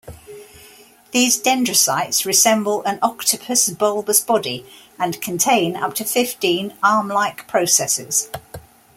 These dendrocytes resemble an octopus bulbous body and contain up to fifteen arm-like processes.